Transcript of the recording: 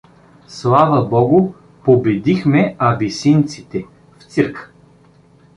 Слава богу, победихме абисинците — в цирка!